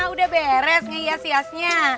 udah beres nge ias iasnya